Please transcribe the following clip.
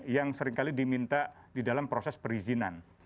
yang seringkali diminta di dalam proses perizinan